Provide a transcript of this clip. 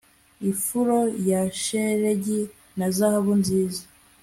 ifuro ya shelegi na zahabu nziza